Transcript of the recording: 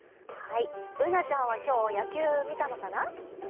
Ｂｏｏｎａちゃんは今日、野球見たのかな？